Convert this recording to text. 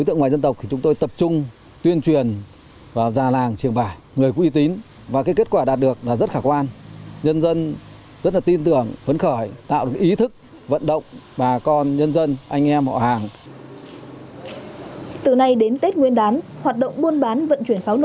từ nay đến tết nguyên đán hoạt động buôn bán vận chuyển pháo nổ